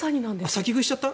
先食いしちゃった？